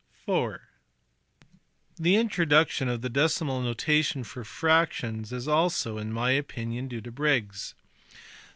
(iv) The introduction of the decimal notation for fractions is also (in my opinion) due to Briggs.